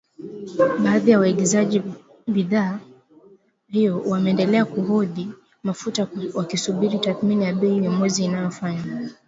Baadhi ya waagizaji bidhaa hiyo wameendelea kuhodhi mafuta wakisubiri tathmini ya bei kila mwezi inayofanywa